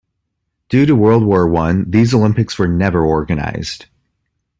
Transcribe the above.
Due to World War One, these Olympics were never organized.